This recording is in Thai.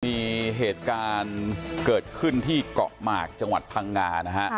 มีเหตุการณ์เกิดขึ้นที่เกาะหมากจังหวัดพังงานะฮะ